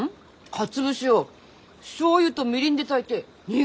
かつ節をしょうゆとみりんで炊いて握り込んでるよ！